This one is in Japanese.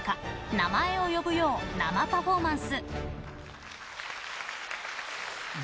「名前を呼ぶよ」を生パフォーマンス。